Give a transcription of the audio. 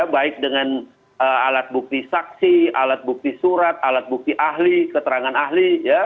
baik dengan alat bukti saksi alat bukti surat alat bukti ahli keterangan ahli